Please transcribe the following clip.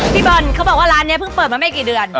พี่บอลเขาบอกว่าร้านนี้เพิ่งเปิดมาไม่กี่เดือน